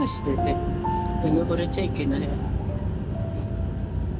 うぬぼれちゃいけないわ。